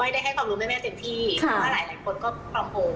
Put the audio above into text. ได้ให้ความรู้แม่เต็มที่ค่ะว่าหลายหลายคนก็ก็ควัฒน